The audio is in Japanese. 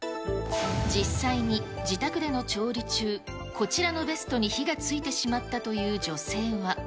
実際に自宅での調理中、こちらのベストに火がついてしまったという女性は。